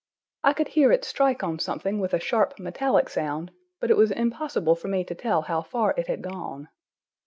I could hear it strike on something with a sharp, metallic sound, but it was impossible for me to tell how far it had gone.